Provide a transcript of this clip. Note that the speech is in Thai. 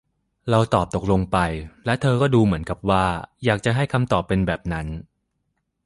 เราตอบตกลงไป และเธอก็ดูเหมือนกับว่าอยากจะให้คำตอบเป็นแบบนั้น